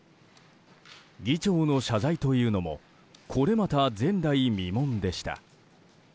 議長の謝罪というのもこれまた前代未聞でした。